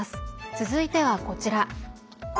続いてはこちら。